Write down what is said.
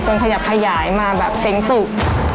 จนอย่าถยายมาแบบเสียงปลุก